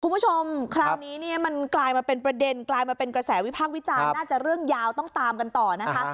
คุณผู้ชมคราวนี้เนี่ยมันกลายมาเป็นประเด็นกลายมาเป็นกระแสวิพากษ์วิจารณ์น่าจะเรื่องยาวต้องตามกันต่อนะคะ